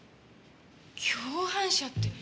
共犯者って。